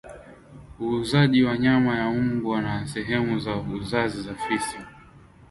Uuzaji wa nyama ya mbwa na sehemu za uzazi za fisi